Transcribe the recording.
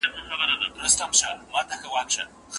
له وړو لویو مرغانو له تنزرو